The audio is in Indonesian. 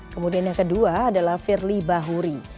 kemudian yang kedua adalah firly bahuri